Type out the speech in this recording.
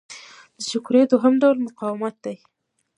د شکرې دوهم ډول مقاومت دی.